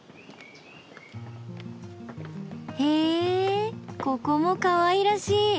へぇここもかわいらしい！